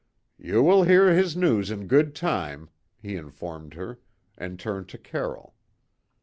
"Ye will hear his news in good time," he informed her, and turned to Carroll.